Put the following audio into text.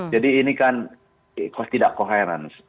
jadi ini kan tidak koherensi